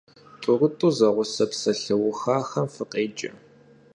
ТӀурытӀу зэгъусэ псалъэухахэм фыкъеджэ.